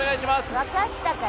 わかったから。